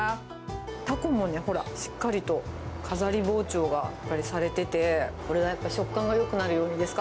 タコもねほら、しっかりと、飾り包丁がされてて、これがやっぱり食感がよくなるようにですか？